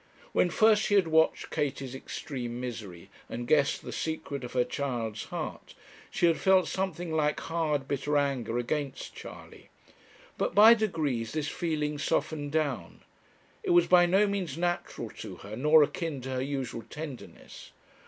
When first she had watched Katie's extreme misery, and guessed the secret of her child's heart, she had felt something like hard, bitter anger against Charley. But by degrees this feeling softened down. It was by no means natural to her, nor akin to her usual tenderness.